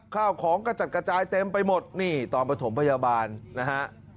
ข้าวของกระจัดกระจายเต็มไปหมดนี่ตอนประถมพยาบาลนะฮะ